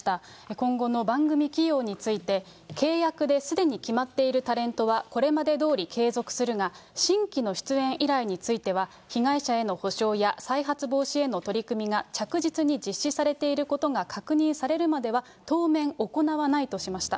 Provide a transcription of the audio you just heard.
今後の番組起用について、契約ですでに決まっているタレントは、これまでどおり継続するが、新規の出演依頼については、被害者への補償や再発防止への取り組みが着実に実施されていることが確認されるまでは、当面、行わないとしました。